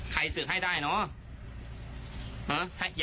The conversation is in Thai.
คุณผู้ชมเอ็นดูท่านอ่ะ